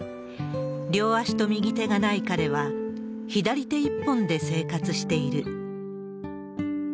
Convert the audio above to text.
両足と右手がない彼は、左手一本で生活している。